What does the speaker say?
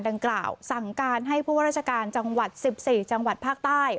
ดังกล่าวสั่งการให้ผู้ว่าราชการจังหวัด๑๔จังหวัดภาคใต้